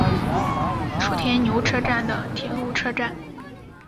初田牛车站的铁路车站。